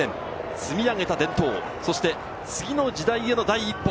積み上げた伝統、そして次の時代への第一歩。